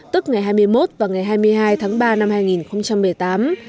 tức ngày hai mươi một và ngày hai mươi hai tháng ba năm hai nghìn một mươi tám